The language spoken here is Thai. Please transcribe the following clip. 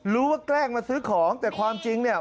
แกล้งมาซื้อของแต่ความจริงเนี่ย